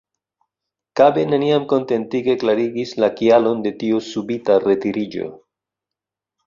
Kabe neniam kontentige klarigis la kialon de tiu subita retiriĝo.